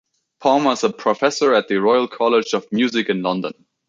Palmer is a professor at the Royal College of Music in London.